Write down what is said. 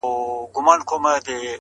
تر تا څو چنده ستا د زني عالمگير ښه دی~